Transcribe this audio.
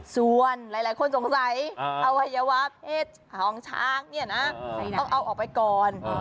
ส่วนหลายคนสงสัยอวัยวะเพศของช้างเนี่ยนะต้องเอาออกไปก่อน